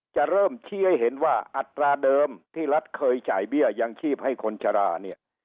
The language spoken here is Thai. จะเริ่มชี้ให้เห็นว่าอัตราเดิมที่รัฐเคยจ่ายเบี้ยยังชีพให้คนชะลาเนี่ย